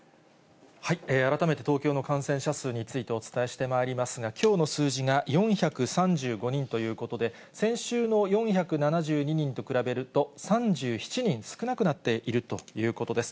改めて、東京の感染者数についてお伝えしてまいりますが、きょうの数字が４３５人ということで、先週の４７２人と比べると、３７人少なくなっているということです。